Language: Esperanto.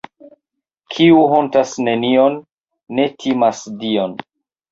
Kiu hontas nenion, ne timas Dion.